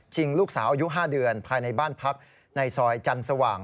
ลูกสาวอายุ๕เดือนภายในบ้านพักในซอยจันทร์สว่าง